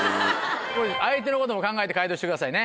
相手のことも考えて回答してくださいね。